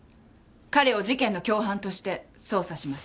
彼を事件の共犯として捜査します。